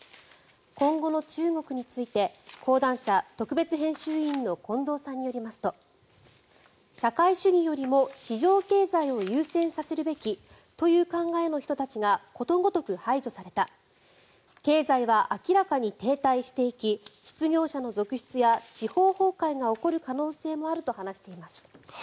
今後の中国について講談社特別編集委員の近藤さんによりますと社会主義よりも市場経済を優先させるべきという考えの人たちがことごとく排除された経済は明らかに停滞していき失業者の続出や地方崩壊が起こる可能性もあると話しています。